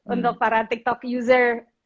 untuk para tiktok user